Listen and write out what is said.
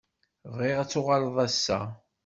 Bɣiɣ ad tuɣaleḍ ass-a.